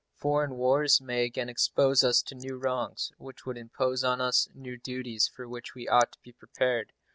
Foreign wars may again expose us to new wrongs, which would impose on us new duties for which we ought to be prepared.